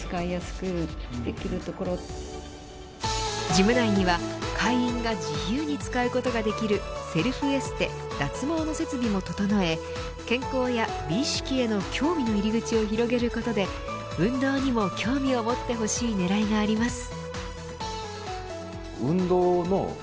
ジム内には会員が自由に使うことができるセルフエステ、脱毛の設備も整え健康や美意識への興味の入り口を広げることで運動にも興味を持ってほしい狙いがあります。